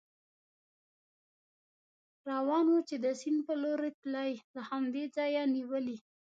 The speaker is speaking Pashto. روان و، چې د سیند په لور تلی، له همدې ځایه نېولې.